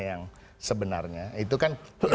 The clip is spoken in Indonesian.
yang sebenarnya itu kan